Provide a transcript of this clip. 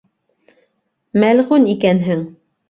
Мәлғүн икәнһең.